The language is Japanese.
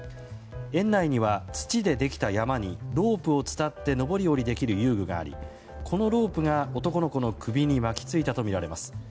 園内には土でできた山にロープを伝って上り下りできる遊具がありこのロープが男の子の首に巻き付いたとみられます。